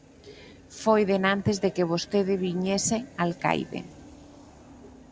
Foi denantes de que vostede viñese, alcaide.